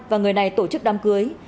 và người này tổ chức đám cưới